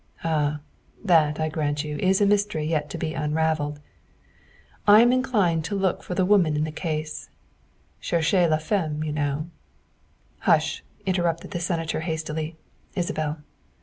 "Ah, that, I grant you, is a mystery yet to be un ravelled. I am inclined to look for the woman in the case, ' cherchez la femme, ' you know. ''" Hush," interrupted the Senator hastily, " Isabel."